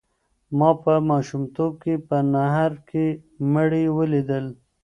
ما په ماشومتوب کې په نهر کې مړي ولیدل.